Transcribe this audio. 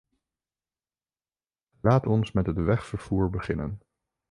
Laat ons met het wegvervoer beginnen!